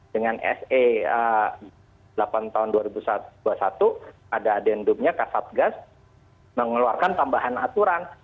dengan se delapan tahun dua ribu dua puluh satu ada adendumnya kasatgas mengeluarkan tambahan aturan